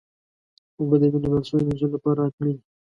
اوبه د لباسو مینځلو لپاره حتمي دي.